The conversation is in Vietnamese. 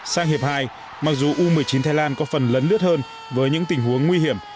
sang hiệp hai mặc dù u một mươi chín thái lan có phần lấn lướt hơn với những tình huống nguy hiểm